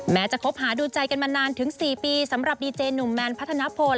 จะคบหาดูใจกันมานานถึง๔ปีสำหรับดีเจหนุ่มแมนพัฒนพล